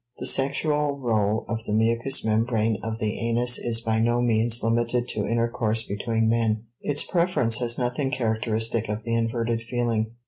The sexual rôle of the mucous membrane of the anus is by no means limited to intercourse between men; its preference has nothing characteristic of the inverted feeling.